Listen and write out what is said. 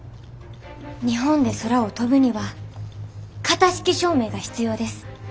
日本で空を飛ぶには型式証明が必要です。